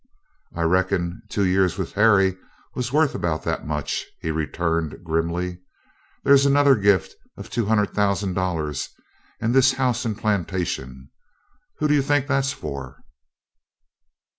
"I reckon two years with Harry was worth about that much," he returned grimly. "Then there's another gift of two hundred thousand dollars and this house and plantation. Whom do you think that's for?"